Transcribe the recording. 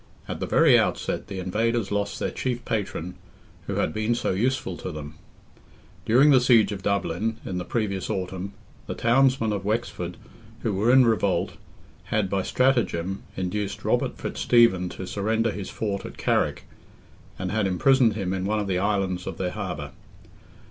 At the very outset, the invaders lost their chief patron, who had been so useful to them. During the siege of Dublin, in the previous autumn, the townsmen of Wexford, who were in revolt, had, by stratagem, induced Robert Fitzstephen to surrender his fort at Carrick, and had imprisoned him in one of the islands of their harbour.